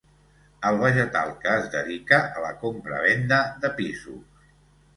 El vegetal que es dedica a la compra-venda de pisos.